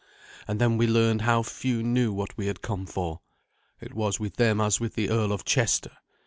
And then we learned how few knew what we had come for. It was with them as with the Earl of Chester.